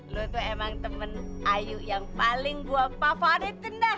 lo tuh emang temen ayu yang paling gue favoritin dah